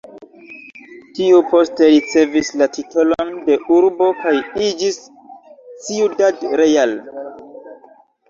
Tiu poste ricevis la titolon de urbo kaj iĝis Ciudad Real.